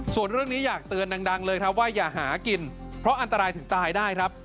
ส่วนเรื่องนี้อยากเตือนดังเลยครับว่าอย่าหากินเพราะอันตรายถึงตายได้ครับ